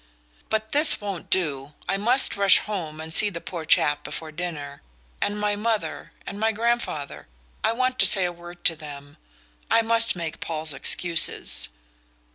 "But this won't do. I must rush home and see the poor chap before dinner. And my mother and my grandfather? I want to say a word to them I must make Paul's excuses!"